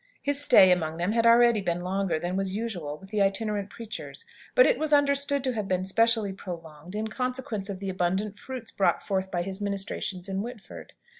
His stay among them had already been longer than was usual with the itinerant preachers; but it was understood to have been specially prolonged, in consequence of the abundant fruits brought forth by his ministration in Whitford.